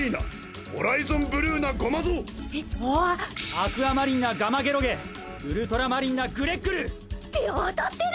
アクアマリンなガマゲロゲウルトラマリンなグレッグル！って当たってる！